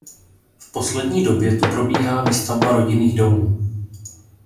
V poslední době tu probíhá výstavba rodinných domů.